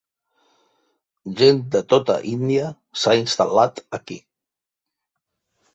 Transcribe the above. Gent de tota Índia s'ha instal·lat aquí.